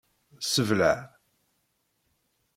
Sebleḍ.